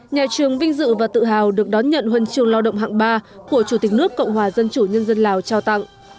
nhà trường vinh dự và tự hào được đón nhận huân trường lao động hạng ba của chủ tịch nước cộng hòa dân chủ nhân dân lào trao tặng